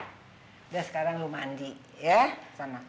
udah sekarang lo mandi ya